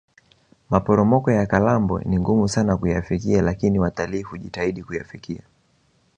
maporomoko ya kalambo ni ngumu sana kuyafikia lakini watalii hujitahidi kuyafikia